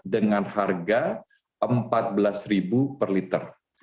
dengan harga rp empat belas per liter